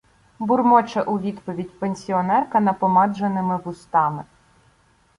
Бурмоче у відповідь пенсіонерка напомадженими вустами